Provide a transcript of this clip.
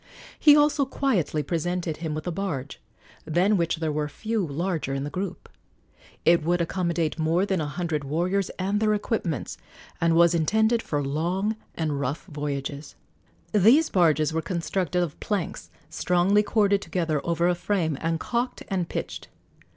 He also quietly presented him with a barge, than which there were few larger in the group. It would accommodate more than a hundred warriors and their equipments, and was intended for long and rough voyages. These barges were constructed of planks strongly corded together over a frame, and calked and pitched.